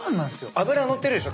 脂乗ってるでしょ？